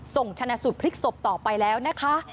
ส่งชนะสูตรพลิกศพต่อไปแล้วนะคะ